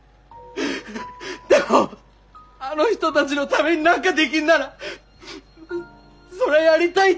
でもあの人たちのために何かできんならそれはやりたいって思うじゃんよ。